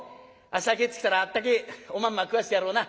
明日帰ってきたらあったけえおまんま食わしてやろうな」。